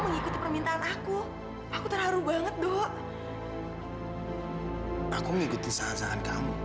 iya bener kan